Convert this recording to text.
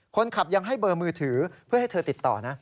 คนขับยังให้เบอร์มือถือเพื่อให้เธอติดต่อนะ